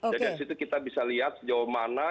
jadi dari situ kita bisa lihat sejauh mana